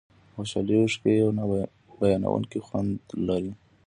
د خوشحالۍ اوښکې یو نه بیانېدونکی خوند لري.